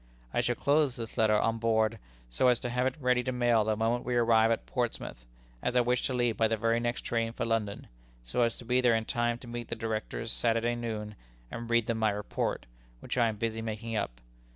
"I shall close this letter on board, so as to have it ready to mail the moment we arrive at Portsmouth, as I wish to leave by the very next train for London, so as to be there in time to meet the Directors Saturday noon, and read them my report, which I am busy making up.